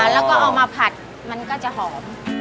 แล้วก็เอามาผัดมันก็จะหอม